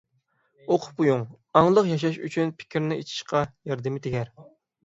ئوقۇپ قويۇڭ، ئاڭلىق ياشاش ئۈچۈن پىكىرنى ئېچىشقا ياردىمى تېگەر.